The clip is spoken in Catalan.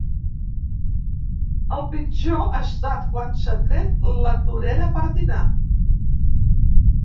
El pitjor ha estat quan s'ha tret la torera per dinar.